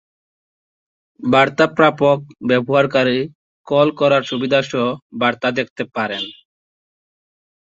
বার্তা প্রাপক ব্যবহারকারী কল করার সুবিধাসহ বার্তা দেখতে পারেন।